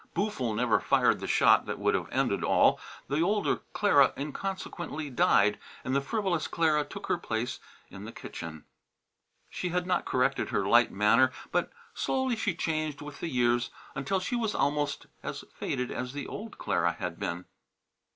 Boo'ful never fired the shot that would have ended all. The older Clara inconsequently died and the frivolous Clara took her place in the kitchen. She had not corrected her light manner, but slowly she changed with the years until she was almost as faded as the old Clara had been.